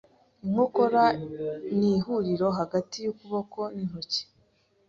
Inkokora ni ihuriro hagati yukuboko nintoki.